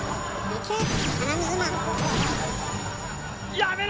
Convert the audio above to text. やめろ！